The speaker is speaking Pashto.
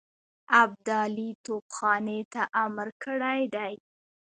ابدالي توپخانې ته امر کړی دی.